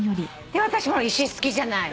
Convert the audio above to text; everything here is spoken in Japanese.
私石好きじゃない。